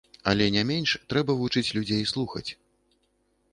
Але не менш трэба вучыць людзей слухаць.